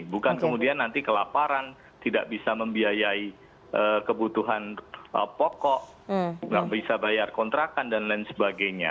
bukan kemudian nanti kelaparan tidak bisa membiayai kebutuhan pokok tidak bisa bayar kontrakan dan lain sebagainya